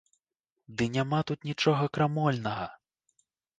Ды няма тут нічога крамольнага!